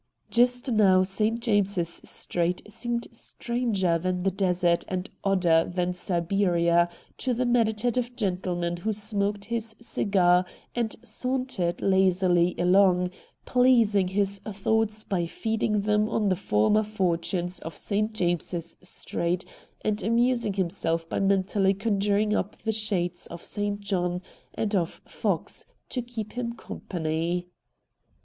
Just now St. James's Street seemed stranger than the desert and odder than Siberia to the meditative crentleman who smoked his cicrar and sauntered lazily along, pleasing his thoughts by feeding them on the former fortunes of St. James's Street, and amusing himself by mentally conjuring up the shades of St. John and of Fox to keep him company.